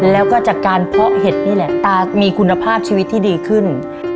แล้วก็จากการเพาะเห็ดนี่แหละตามีคุณภาพชีวิตที่ดีขึ้น